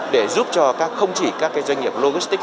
để giúp cho không chỉ các doanh nghiệp logistic